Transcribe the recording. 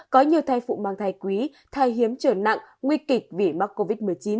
có nhiều thai phụ mang thai quý thai hiếm trở nặng nguy kịch vì mắc covid một mươi chín